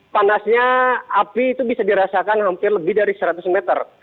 panasnya api itu bisa dirasakan hampir lebih dari seratus meter